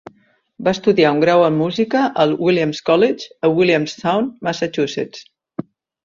Va estudiar un grau en Música al Williams College a Williamstown, Massachusetts.